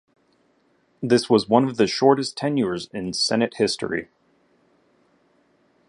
This was one of the shortest tenures in Senate history.